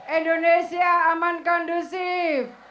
indonesia aman kondusif